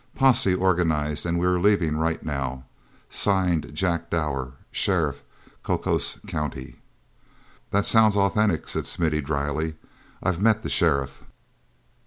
Posse organized and we are leaving right now.—Signed, Jack Downer, Sheriff, Cocos County.'" "That sounds authentic," said Smithy drily. "I've met the sheriff."